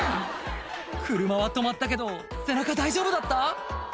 車は止まったけど背中大丈夫だった？